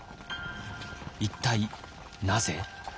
一体なぜ？